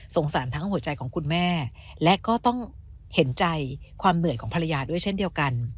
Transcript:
สารทั้งหัวใจของคุณแม่และก็ต้องเห็นใจความเหนื่อยของภรรยาด้วยเช่นเดียวกัน